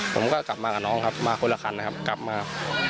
ผมก็กลับมากับน้องครับมาคนละคันนะครับกลับมา